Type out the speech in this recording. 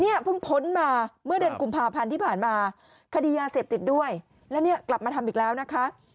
เพิ่งพ้นมาเมื่อเดือนกุมภาพันธ์ที่ผ่านมาคดียาเสพติดด้วยแล้วเนี่ยกลับมาทำอีกแล้วนะคะ